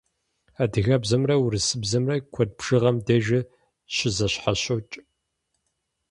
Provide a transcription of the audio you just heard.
Адыгэбзэмрэ урысыбзэмрэ куэд бжыгъэм дежи щызэщхьэщокӏ.